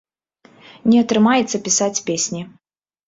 Не атрымаецца пісаць песні.